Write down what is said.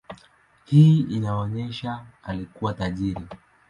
Hii inaonyesha alikuwa tajiri.